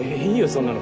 そんなの。